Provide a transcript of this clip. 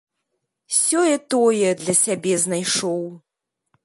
Сёе-тое для сябе знайшоў.